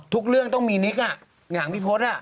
ทุกเรื่องต้องมีนิทว์อ่ะหลังพี่พล็อตอ่ะ